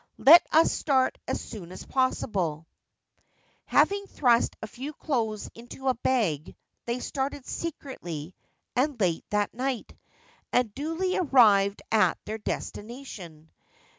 Let us start as soon as possible/ Having thrust a few clothes into a bag, they started secretly and late that night, and duly arrived at their destination.